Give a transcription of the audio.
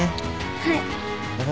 はい。